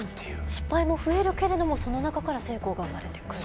失敗も増えるけれどもその中から成功が生まれてくる。